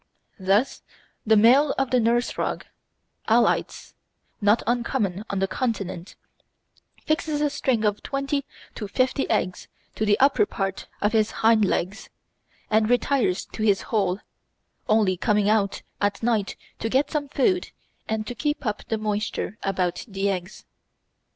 Thus the male of the Nurse Frog (Alytes), not uncommon on the Continent, fixes a string of twenty to fifty eggs to the upper part of his hind legs, and retires to his hole, only coming out at night to get some food and to keep up the moisture about the eggs.